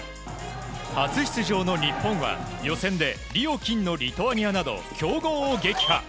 初出場の日本は予選でリオ金のリトアニアなど強豪を撃破。